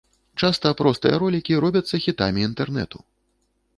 Часта простыя ролікі робяцца хітамі інтэрнэту.